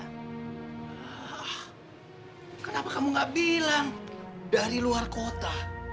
hah kenapa kamu gak bilang dari luar kota